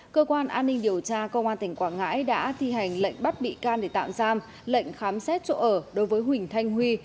cơ quan an ninh điều tra công an tỉnh quảng ngãi đã thi hành lệnh bắt bị can để tạm giam lệnh khám xét chỗ ở đối với huỳnh thanh huy